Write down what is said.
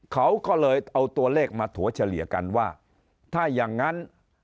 เขาก็เลยเอาตัวเลขมาถั่วเฉลี่ยกันว่าถ้าอย่างนั้น